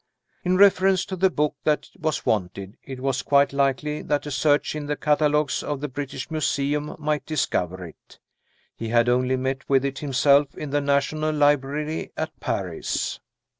In reference to the book that was wanted, it was quite likely that a search in the catalogues of the British Museum might discover it. He had only met with it himself in the National Library at Paris.